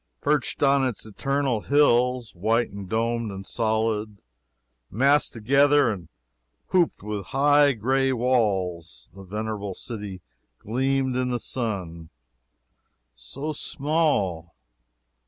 Perched on its eternal hills, white and domed and solid, massed together and hooped with high gray walls, the venerable city gleamed in the sun. So small!